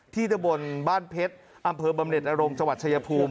ที่ทะบลบ้านเพชรอำเภอบำเน็ตอารมณ์จวัดชะยภูมิ